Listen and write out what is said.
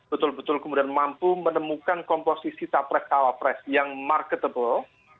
betul betul kemudian mampu menemukan komposisi capres cawapres yang marketable